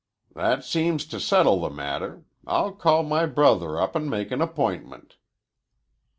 "That seems to settle the matter. I'll call my brother up and make an appointment."